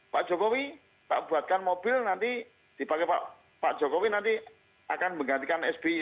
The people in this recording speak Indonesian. pak jokowi tak buatkan mobil nanti dipakai pak jokowi nanti akan menggantikan sby